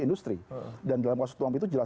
industri dan dalam kasus tumpang itu jelas